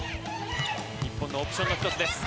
日本のオプションの１つです。